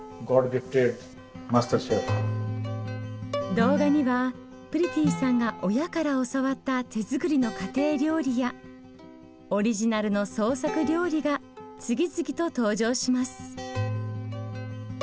動画にはプリティさんが親から教わった手作りの家庭料理やオリジナルの創作料理が次々と登場します。